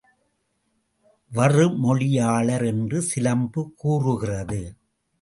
வறுமொழியாளர் என்று சிலம்பு கூறுகிறது.